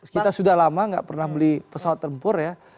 kita sudah lama nggak pernah beli pesawat tempur ya